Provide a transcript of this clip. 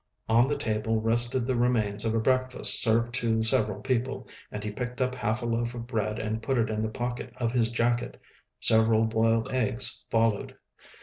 On the table rested the remains of a breakfast served to several people, and he picked up half a loaf of bread and put it in the pocket of his jacket. Several boiled eggs followed.